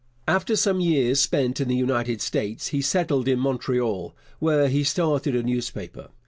After some years spent in the United States, he settled in Montreal, where he started a newspaper.